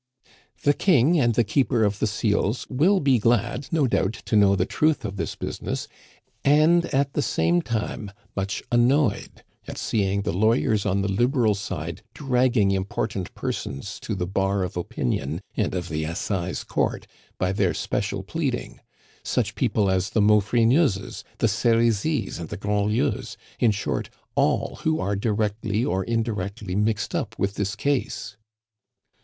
"The King and the Keeper of the Seals will be glad, no doubt, to know the truth of this business, and at the same time much annoyed at seeing the lawyers on the Liberal side dragging important persons to the bar of opinion and of the Assize Court by their special pleading such people as the Maufrigneuses, the Serizys, and the Grandlieus, in short, all who are directly or indirectly mixed up with this case."